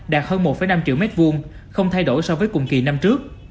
đạt hơn một năm triệu m hai không thay đổi so với cùng kỳ năm trước